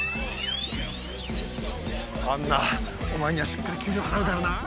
アンナお前にはしっかり給料払うからな。